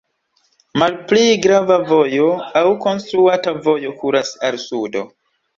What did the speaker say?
Malpli grava vojo aŭ konstruata vojo kuras al sudo.